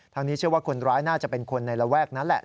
นี้เชื่อว่าคนร้ายน่าจะเป็นคนในระแวกนั้นแหละ